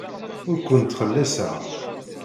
Ur ken-ttxelliṣeɣ.